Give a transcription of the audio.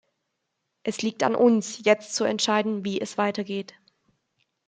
Es liegt an uns, jetzt zu entscheiden, wie es weitergeht.